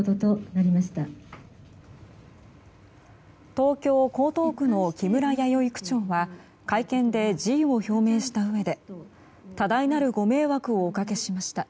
東京・江東区の木村弥生区長は会見で辞意を表明したうえで多大なるご迷惑をおかけしました